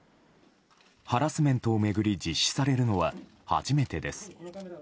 ハラスメントを巡り実施されるのは初めてです。